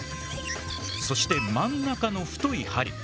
そして真ん中の太い針。